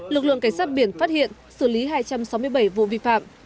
lực lượng cảnh sát biển phát hiện xử lý hai trăm sáu mươi bảy vụ vi phạm